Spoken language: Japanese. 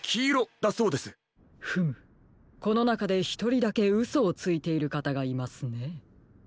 フムこのなかでひとりだけうそをついているかたがいますねえ。